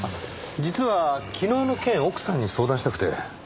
実は昨日の件奥さんに相談したくて。